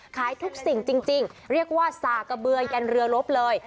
ขายทุกสิ่งจริงเรียกว่าสากะเบือยันเรือลบเลย